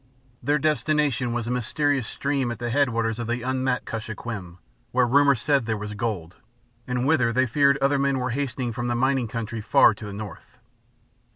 Their destination was a mysterious stream at the headwaters of the unmapped Kuskokwim, where rumor said there was gold, and whither they feared other men were hastening from the mining country far to the north.